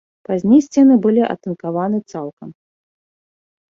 Пазней сцены былі атынкаваны цалкам.